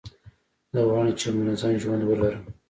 زه غواړم چي یو منظم ژوند ولرم.